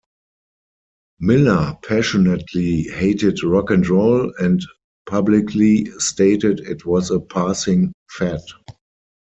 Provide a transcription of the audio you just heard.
Miller passionately hated rock and roll and publicly stated it was a passing fad.